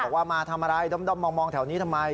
ว่ามาทำอะไรด้อมมองแถวนี้ทำไม